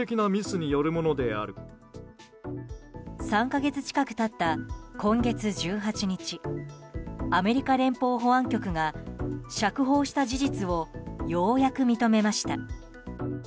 ３か月近く経った今月１８日アメリカ連邦保安局が釈放した事実をようやく認めました。